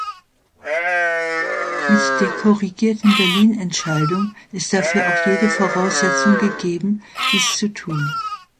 Mit der korrigierten Berlin-Entscheidung ist dafür auch jede Voraussetzung gegeben, dies zu tun.